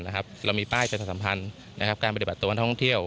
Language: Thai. เรามีป้ายประชาสัมพันธ์การปฏิบัติตัวท่องเที่ยว